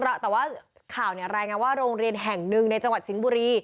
แต่ว่าข่าวเนี่ยรายงานว่าโรงเรียนแห่งหนึ่งในจังหวัดสิงห์บุรี